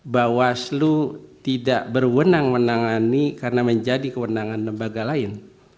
bawaslu tidak berwenang menangani karena menjadi kewenangan lembaga lain